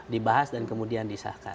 dibahas dan kemudian disahkan